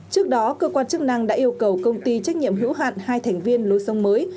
trước đó cơ quan chức năng đã yêu cầu công ty trách nhiệm hữu hạn hai thành viên lối sông mới